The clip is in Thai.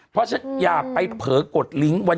เพราะฉะนั้นอย่าไปเผลอกดลิงก์